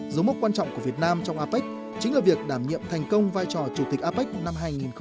dấu mốc quan trọng của việt nam trong apec chính là việc đảm nhiệm thành công vai trò chủ tịch apec năm hai nghìn hai mươi